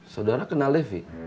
saudara kenal devi